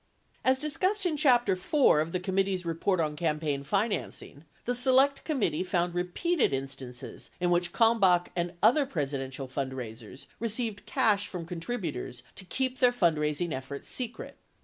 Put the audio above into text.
65 As discussed in chapter 4 of the committee's report on campaign financing, the Select Committee found repeated instances in which Kalmbach and other Presidential fundraisers received cash from con tributors to keep their fundraising efforts secret.